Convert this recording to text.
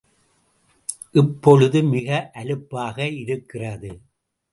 இப்பொழுது மிக அலுப்பாக இருக்கிறது.